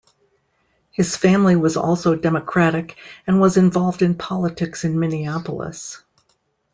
His family was also Democratic and was involved in politics in Minneapolis.